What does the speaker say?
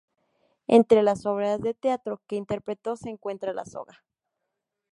Entre las obras de teatro que interpretó se encuentra "La soga".